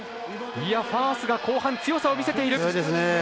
ファースが後半、強さを見せている。